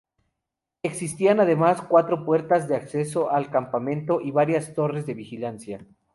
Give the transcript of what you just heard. Existían además cuatro puertas de acceso al campamento, y varias torres de vigilancia.